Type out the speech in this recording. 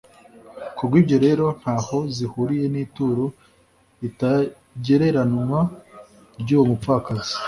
kubw'ibyo rero ntaho zihuriye n'ituro ritagereranywa ry'uwo mupfakazi.